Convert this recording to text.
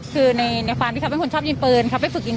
คือในความที่เขาเป็นคนชอบยิงปืนเขาไปฝึกยิง